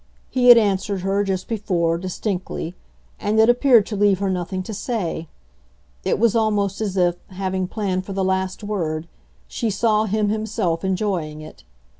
He had answered her, just before, distinctly, and it appeared to leave her nothing to say. It was almost as if, having planned for the last word, she saw him himself enjoying it.